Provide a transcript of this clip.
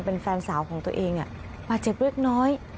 เป็นแฟนสาวของตัวเองบาดเจ็บเล็กน้อย